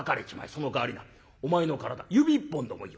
そのかわりなお前の体指一本でもいいよ。